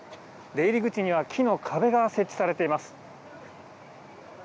出入り口には木の壁が設置されています。